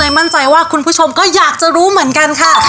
มั่นใจว่าคุณผู้ชมก็อยากจะรู้เหมือนกันค่ะ